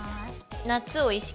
夏を意識。